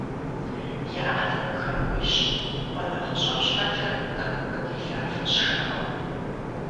ЯӀэт абыхэм къуищ, къуэ нэхъыщӀэм щхьэкӀэ тӀэкӀу хуэделафэщ жаӀэу.